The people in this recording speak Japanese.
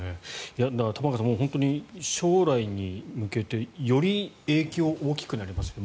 玉川さん、本当に将来に向けてより影響が大きくなりますね。